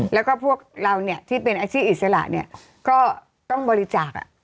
แล้วก็พวกเราเนี่ยที่เป็นอาชีพอิสระเนี่ยก็ต้องบริจาค